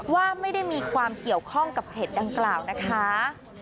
ว่าไม่ได้มีความเกี่ยวข้องกับเหตุดังกล่าวนะคะ